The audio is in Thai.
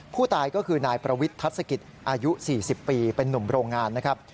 ผู้ตายก็คือนายประวิทัศกิจอายุ๔๐ปีเป็นนุ่มโรงงานนะครับ